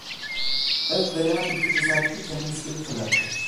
Evvela bir iki cesaretli kendini iskeleye fırlattı.